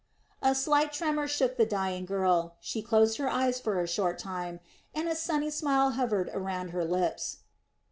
A slight tremor shook the dying girl. She closed her eyes for a short time and a sunny smile hovered around her lips.